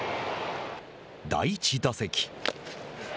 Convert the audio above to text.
第１打席。